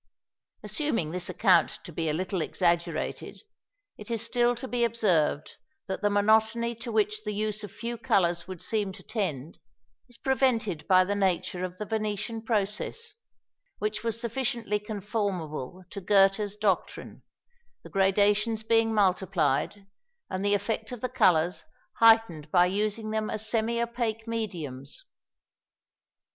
" Assuming this account to be a little exaggerated, it is still to be observed that the monotony to which the use of few colours would seem to tend, is prevented by the nature of the Venetian process, which was sufficiently conformable to Goethe's doctrine; the gradations being multiplied, and the effect of the colours heightened by using them as semi opaque mediums.